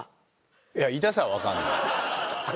いや痛さは分かんない。